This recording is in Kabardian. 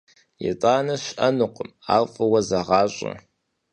«ИтӀанэ» щыӀэнукъым, ар фӀыуэ зэгъащӀэ!